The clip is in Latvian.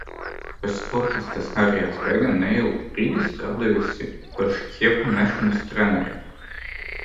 Pēc sportistes karjeras beigām neilgu brīdi strādājusi par šķēpa mešanas treneri.